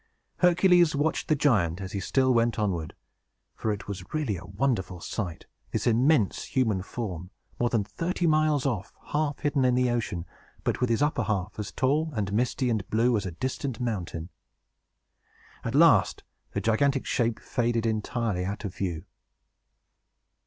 Hercules watched the giant, as he still went onward; for it was really a wonderful sight, this immense human form, more than thirty miles off, half hidden in the ocean, but with his upper half as tall, and misty, and blue, as a distant mountain. At last the gigantic shape faded entirely out of view.